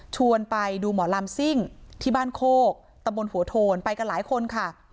ไปดูหมอลำซิ่งที่บ้านโคกตะบนหัวโทนไปกันหลายคนค่ะ